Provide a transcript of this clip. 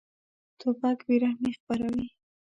توپک بېرحمي خپروي.